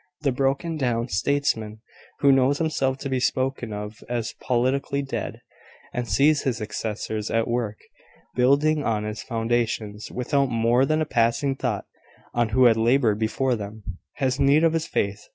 The broken down statesman, who knows himself to be spoken of as politically dead, and sees his successors at work building on his foundations, without more than a passing thought on who had laboured before them, has need of this faith.